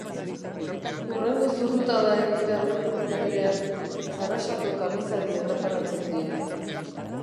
Hurrengo zurrutada egin behar duen une berean, arasako kalizari erreparatzen dio.